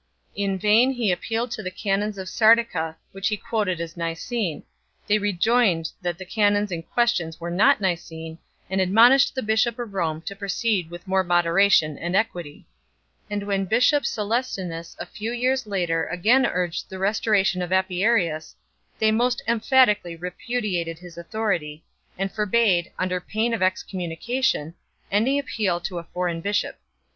In vain he appealed to the canons of Sardica, which he quoted as Nicene; they rejoined that the canons in question were not Nicene, and admonished the bishop of Rome to proceed with more moderation and equity 1 . And when bishop Caslestinus a few years later again urged the restoration of Apiarius, they most em phatically repudiated his authority, and forbade, under pain of excommunication, any appeal to a foreign bishop.